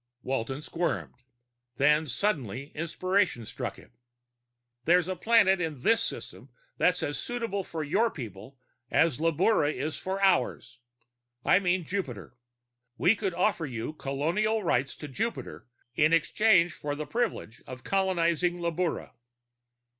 Walton squirmed; then sudden inspiration struck him. "There's a planet in this system that's as suitable for your people as Labura is for ours. I mean Jupiter. We could offer you colonial rights to Jupiter in exchange for the privilege of colonizing Labura!"